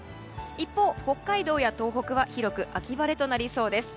一方、北海道や東北は広く秋晴れとなりそうです。